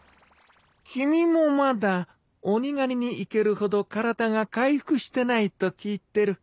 君もまだ鬼狩りに行けるほど体が回復してないと聞いてる。